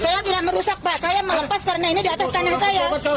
saya tidak merusak pak saya melepas karena ini di atas tanah saya